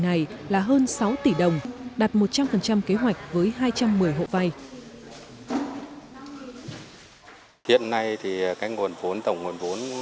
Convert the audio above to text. này là hơn sáu tỷ đồng đạt một trăm linh phần trăm kế hoạch với hai trăm một mươi hộ vay hiện nay thì cái nguồn vốn tổng nguồn